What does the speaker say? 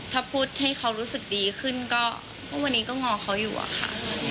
ถ้าพูดให้เขารู้สึกดีขึ้นก็วันนี้ก็งอเขาอยู่อะค่ะ